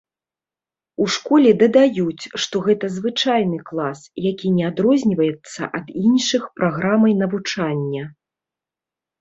У школе дадаюць, што гэта звычайны клас, які не адрозніваецца ад іншых праграмай навучання.